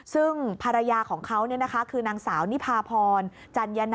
ซึ่งภรรยาของเขาคือนางสาวนิพาพรจัญญะ